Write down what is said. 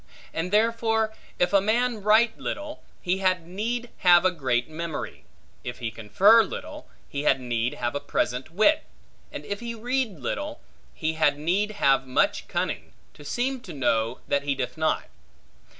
And therefore, if a man write little, he had need have a great memory; if he confer little, he had need have a present wit: and if he read little, he had need have much cunning, to seem to know, that he doth not.